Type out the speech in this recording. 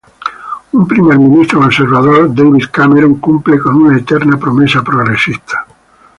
Un primer ministro conservador, David Cameron, cumple con una eterna promesa progresista.